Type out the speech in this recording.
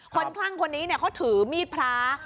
คลั่งคนนี้เขาถือมีดพระ